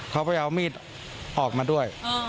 เขาก็จะเอามีดออกมาด้วย